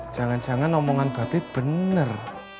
jangan jangan omongan gatit bener